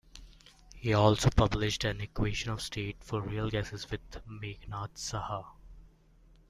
He also published an equation of state for real gases with Meghnad Saha.